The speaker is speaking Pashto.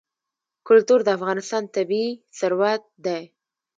کلتور د افغانستان طبعي ثروت دی.